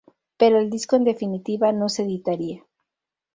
Pero el disco en definitiva no se editaría.